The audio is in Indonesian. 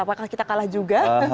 apakah kita kalah juga